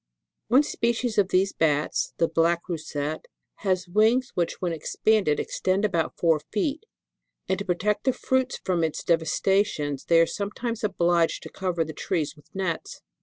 One species of these Bats, (the black Roussette,) has wings which, when expanded, extend about four feet, and, to protect the fruits from its devastations, they are sometimes obliged to cover the trees with nets.